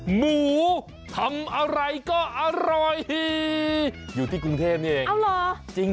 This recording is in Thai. หมูทำอะไรก็อร่อยอยู่ที่กรุงเทพนี่เอง